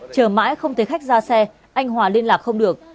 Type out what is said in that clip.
chờ mãi không thấy khách ra xe anh hòa liên lạc không được